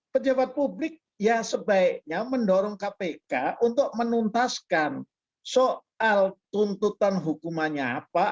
pejabat publik yang sebaiknya mendorong kpk untuk menuntaskan soal tuntutan hukumannya apa